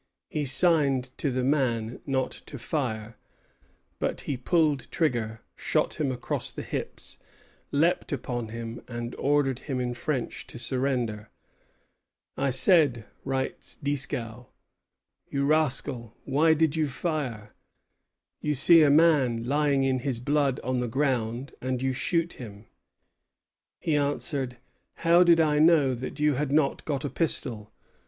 He signed to the man not to fire; but he pulled trigger, shot him across the hips, leaped upon him, and ordered him in French to surrender. "I said," writes Dieskau, "'You rascal, why did you fire? You see a man lying in his blood on the ground, and you shoot him!' He answered: 'How did I know that you had not got a pistol?